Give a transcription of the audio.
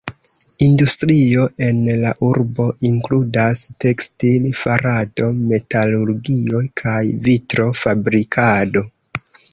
Industrio en la urbo inkludas tekstil-farado, metalurgio, kaj vitro-fabrikado.